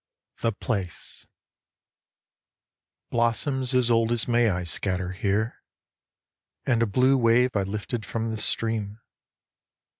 THE PLACE Blossoms as old as May I scatter here, And a blue wave I lifted from the stream.